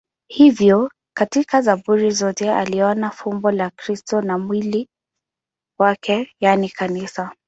Hivyo katika Zaburi zote aliona fumbo la Kristo na la mwili wake, yaani Kanisa.